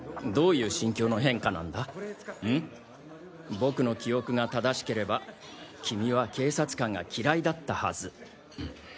僕の記憶が正しければ君は警察官が嫌いだったはず。